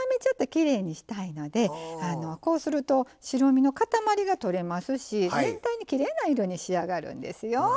ちょっときれいにしたいのでこうすると白身のかたまりが取れますし全体にきれいな色に仕上がるんですよ。